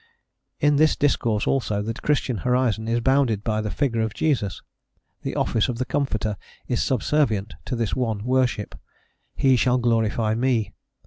In this discourse, also, the Christian horizon is bounded by the figure of Jesus, the office of the Comforter is sub servient to this one worship, "he shall glorify me."